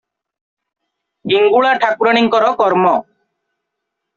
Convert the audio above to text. ହିଙ୍ଗୁଳା ଠାକୁରାଣୀଙ୍କର କର୍ମ ।"